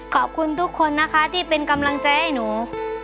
ขอบคุณทุกคนนะคะที่เป็นกำลังใจให้หนู